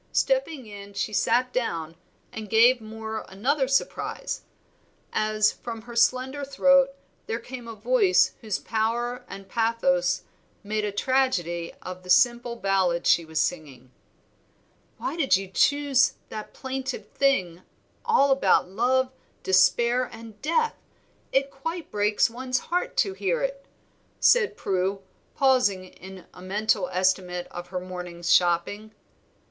Stepping in she sat down and gave Moor another surprise, as from her slender throat there came a voice whose power and pathos made a tragedy of the simple ballad she was singing. "Why did you choose that plaintive thing, all about love, despair, and death? It quite breaks one's heart to hear it," said Prue, pausing in a mental estimate of her morning's shopping.